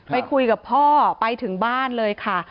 ไปคุยกับพ่อไปถึงบ้านเลยค่ะ